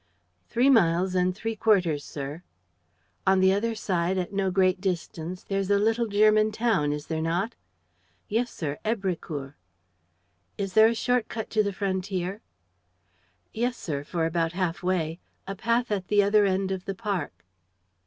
"Three miles and three quarters, sir." "On the other side, at no great distance, there's a little German town, is there not?" "Yes, sir, Èbrecourt." "Is there a short cut to the frontier?" "Yes, sir, for about half way: a path at the other end of the park."